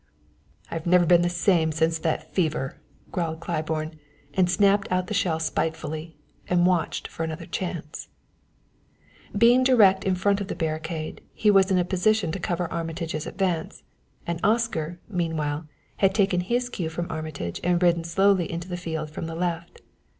"I've never been the same since that fever," growled Claiborne, and snapped out the shell spitefully, and watched for another chance. Being directly in front of the barricade, he was in a position to cover Armitage's advance, and Oscar, meanwhile, had taken his cue from Armitage and ridden slowly into the field from the left.